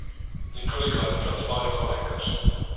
Několik let pracoval jako lékař.